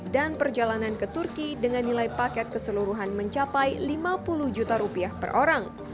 dan perjalanan ke turki dengan nilai paket keseluruhan mencapai rp lima puluh juta per orang